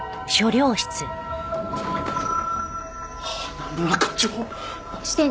花村課長！